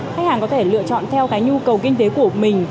khách hàng có thể lựa chọn theo cái nhu cầu kinh tế của mình